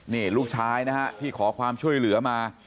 นี่ลูกชายนะฮะที่ขอความช่วยเหลือมา